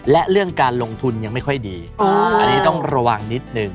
และเรื่องการลงทุนยังไม่ค่อยดีอันนี้ต้องระวังนิดนึง